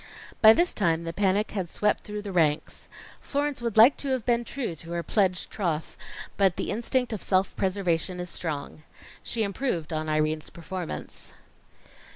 By this time the panic had swept through the ranks. Florence would like to have been true to her pledged troth, but the instinct of self preservation is strong. She improved on Irene's performance.